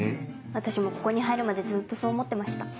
私もここに入るまでずっとそう思ってました。